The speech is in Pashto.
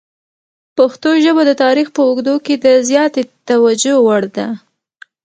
پښتو ژبه د تاریخ په اوږدو کې د زیاتې توجه وړ ده.